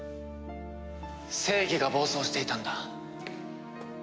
正義が暴走していたんだ。